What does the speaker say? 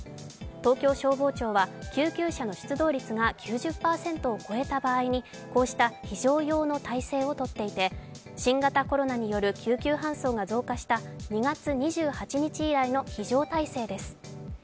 東京消防庁は、救急車の出動率が９０％を超えた場合にこうした非常用の態勢をとっていて新型コロナによる救急搬送が増加した２月２８日以来の非常態勢です。